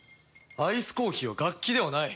アイスコーヒーは楽器ではない。